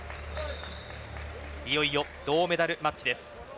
いよいよ銅メダルマッチです。